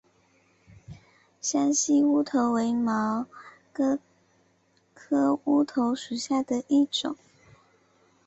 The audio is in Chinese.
山西乌头为毛茛科乌头属下的一个种。